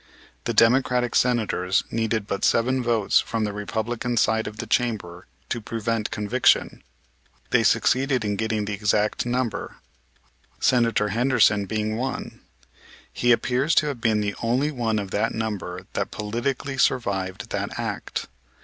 The Democratic Senators needed but seven votes from the Republican side of the chamber to prevent conviction. They succeeded in getting the exact number, Senator Henderson being one. He appears to have been the only one of that number that politically survived that act.